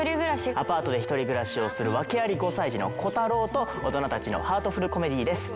アパートで１人暮らしをする訳あり５歳児のコタローと大人たちのハートフルコメディーです。